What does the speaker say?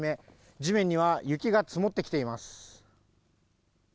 地面には雪が積もってきています。